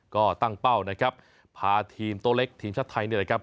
ก็ตั้งเป้านะครับพาทีมโต๊ะเล็กทีมชาติไทยเนี่ยนะครับ